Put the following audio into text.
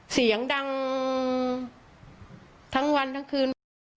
เสียงดังทั้งวันทั้งคืน